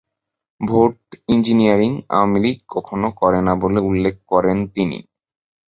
Vote engineering Awami League কখনো করে না বলেও উল্লেখ করেন তিনি।